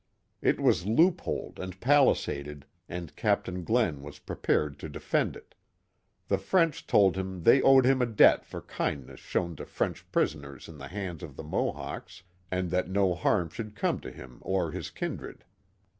It was loopholed and palisaded, and Captain Glen was prepared to defend it. The French told him they owed him a debt for kindness shown to French prisoners in the hands of the Mohawks, and that no harm should come to him or his kindred.